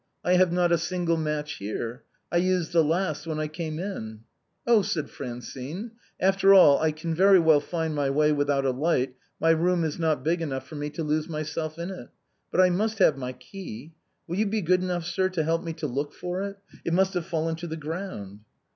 I have not a single match here, I used the last when I came in." " Oh !" said Fracine, " after all I can very well find ray way without a light, my room is not big enough for me to lose myself in it. But I must have my key. Will you be good enough, sir, to help me to look for it? it must have fallen to the ground."